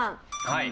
はい。